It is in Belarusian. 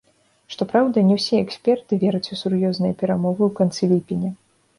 Што праўда, не ўсе эксперты вераць у сур'ёзныя перамовы ў канцы ліпеня.